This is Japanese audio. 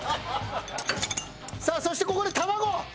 さあそしてここで卵！